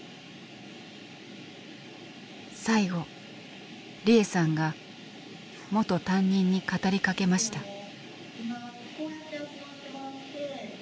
最後利枝さんが元担任に語りかけました。